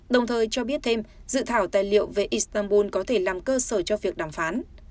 đồng thời cho biết thêm dự thảo tài liệu về istanbul có thể làm cơ sở cho việc đàm phán